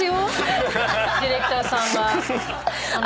ディレクターさんが。